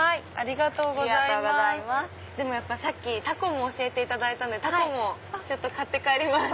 やっぱさっきタコも教えていただいたのでタコも買って帰ります。